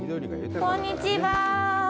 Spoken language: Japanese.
こんにちは。